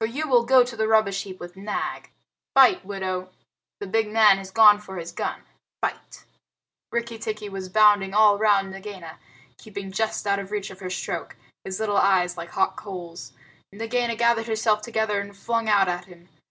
For you will go to the rubbish heap with Nag. Fight, widow! The big man has gone for his gun! Fight!" Rikki tikki was bounding all round Nagaina, keeping just out of reach of her stroke, his little eyes like hot coals. Nagaina gathered herself together and flung out at him.